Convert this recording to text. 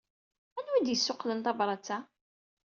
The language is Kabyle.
Anwa ay d-yessuqqlen tabṛat-a?